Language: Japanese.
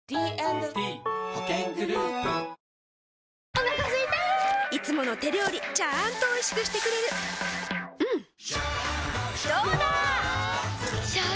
お腹すいたいつもの手料理ちゃんとおいしくしてくれるジューうんどうだわ！